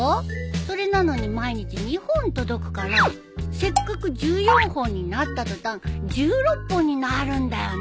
それなのに毎日２本届くからせっかく１４本になった途端１６本になるんだよね。